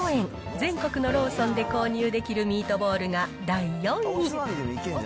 全国のローソンで購入できるミートボールが、第４位。